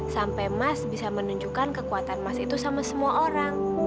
sampai mas bisa menunjukkan kekuatan emas itu sama semua orang